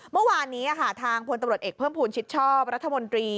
เมื่อวานนี้ทางพตเอกเพิ่มพูนชิดชอบรัฐมนตรี